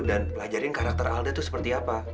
dan pelajarin karakter alda itu seperti apa